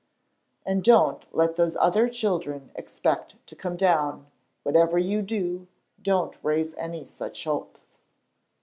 "And don't let those other children expect to come down. Whatever you do, don't raise any such hopes."